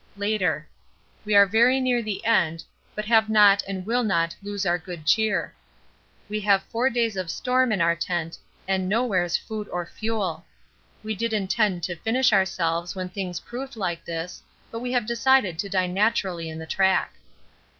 Later. We are very near the end, but have not and will not lose our good cheer. We have four days of storm in our tent and nowhere's food or fuel. We did intend to finish ourselves when things proved like this, but we have decided to die naturally in the track.